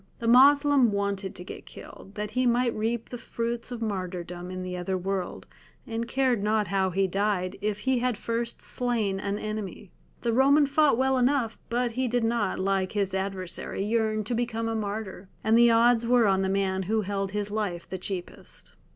The Moslem wanted to get killed, that he might reap the fruits of martyrdom in the other world, and cared not how he died, if he had first slain an enemy. The Roman fought well enough; but he did not, like his adversary, yearn to become a martyr, and the odds were on the man who held his life the cheapest.